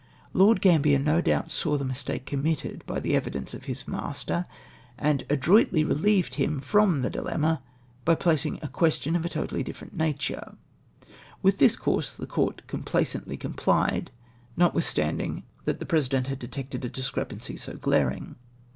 Lord Gambler no doubt saw the mistake committed by the evidence of his Master, and adroitly relieved him from the dilemma, by })iitting a question of a totally different nature. With this course the court complacently complied, notwithstanding that the pre sident had detected a discrepancy so glaring.